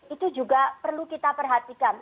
itu juga perlu kita perhatikan